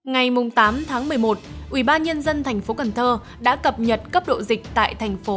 ngày tám tháng một mươi một ubnd tp cn đã cập nhật cấp độ dịch tại tp cn